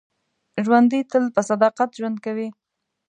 ژوندي تل په صداقت ژوند کوي